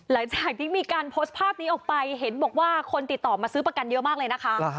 หลังจากที่มีการโพสต์ภาพนี้ออกไปเห็นบอกว่าคนติดต่อมาซื้อประกันเยอะมากเลยนะคะ